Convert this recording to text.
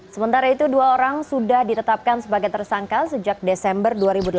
sementara itu dua orang sudah ditetapkan sebagai tersangka sejak desember dua ribu delapan belas